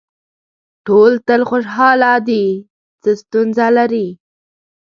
ټول تل خوشاله دي څه ستونزه لري.